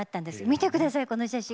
見てくださいこの写真。